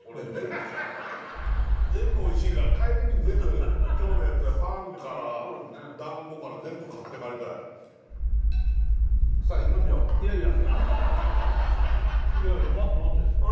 全部おいしいから帰りに全部今日のやつパンから団子から全部買って帰りたいいやいやいやいや待って待ってあれ